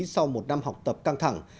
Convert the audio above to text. sau một năm học tập căng thẳng